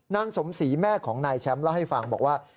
นางสมศรีแม่ของนายแชมป์เล่าให้ฟังบอกว่า